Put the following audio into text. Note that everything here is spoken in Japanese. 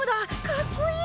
かっこいい！